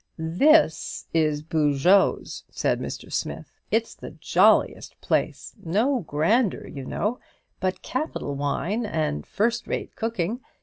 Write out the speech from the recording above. "This is Boujeot's," said Mr. Smith. "It's the jolliest place; no grandeur, you know, but capital wine and first rate cooking.